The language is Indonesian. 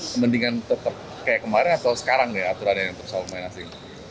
kepentingan tetap kayak kemarin atau sekarang ya aturannya untuk soal pemain asing